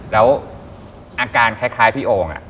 แล้วอาการคล้ายพี่โอ่ง